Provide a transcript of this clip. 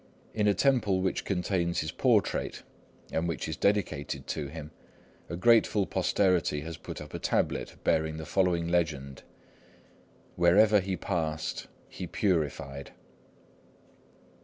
In a temple which contains his portrait, and which is dedicated to him, a grateful posterity has put up a tablet bearing the following legend, "Wherever he passed, he purified."